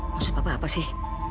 maksud papa apa sih